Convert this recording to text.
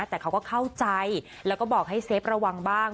แต่เขาก็เข้าใจแล้วก็บอกให้เซฟระวังบ้าง